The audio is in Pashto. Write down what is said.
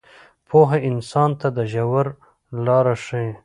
پوهه انسان ته د ژوند لاره ښیي.